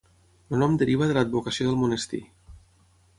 El nom deriva de l'advocació del monestir.